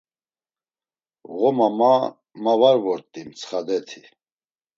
Ğoma ma, ma var vort̆i mtsxadeti.